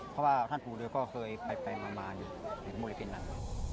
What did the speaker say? เพราะว่าท่านปู่อยู่ก็เคยไปมาอยู่ในบริเวณนั้น